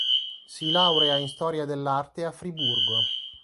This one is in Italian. Si laurea in storia dell'arte a Friburgo.